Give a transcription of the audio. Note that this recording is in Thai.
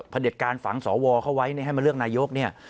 เด็จการฝังสวเข้าไว้ให้มาเลือกนายกเนี่ย